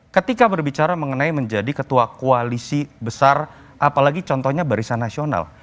ketika berbicara mengenai menjadi ketua koalisi besar apalagi contohnya barisan nasional